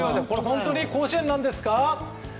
本当に甲子園なんですか。